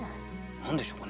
何でしょうかねこれ。